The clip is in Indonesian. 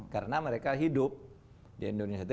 karena mereka hidup di indonesia